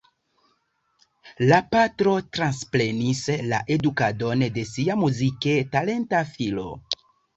La patro transprenis la edukadon de sia muzike talenta filo.